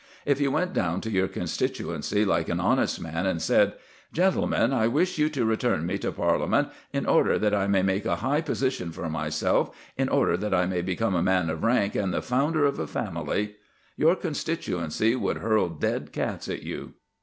If you went down to your constituency like an honest man and said, "Gentlemen, I wish you to return me to Parliament in order that I may make a high position for myself, in order that I may become a man of rank and the founder of a family," your constituency would hurl dead cats at you.